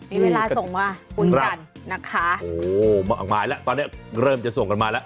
มีเวลาส่งมาคุยกันนะคะโอ้มากมายแล้วตอนนี้เริ่มจะส่งกันมาแล้ว